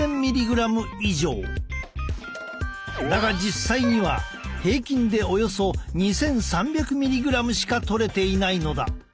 だが実際には平均でおよそ２，３００ｍｇしかとれていないのだ。